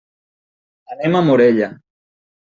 Anem a Morella.